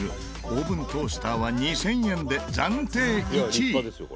オーブントースターは２０００円で暫定１位。